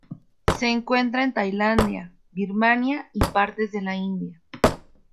Se encuentra en Tailandia, Birmania y partes de la India.